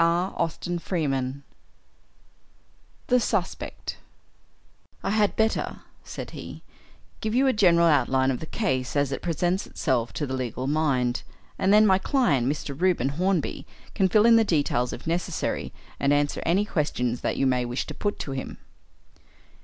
CHAPTER II THE SUSPECT "I had better," said he, "give you a general outline of the case as it presents itself to the legal mind, and then my client, Mr. Reuben Hornby, can fill in the details if necessary, and answer any questions that you may wish to put to him.